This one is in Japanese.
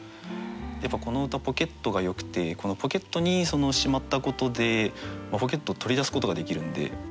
やっぱこの歌「ポケット」がよくてこのポケットにしまったことでポケット取り出すことができるんで。